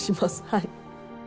はい。